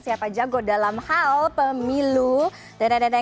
siapa jago dalam hal pemilu dada dada